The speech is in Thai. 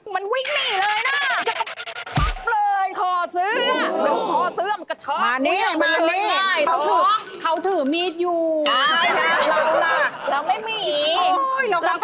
มันวิ่งหนีเลยนะ